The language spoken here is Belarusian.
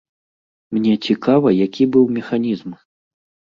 Мне цікава, які быў механізм?